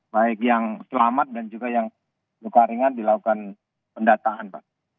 baik yang selamat dan juga yang luka ringan dilakukan pendataan pak